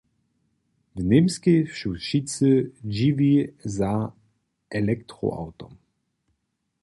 W Němskej su wšitcy dźiwi za elektroawtom.